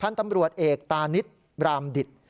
พันธุ์ตำรวจเอกตานิศรามฏิษฐ์